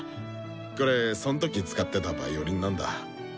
これそん時使ってたヴァイオリンなんだ。